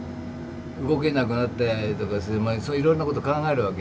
動けなくなったりとかそういういろんなこと考えるわけ。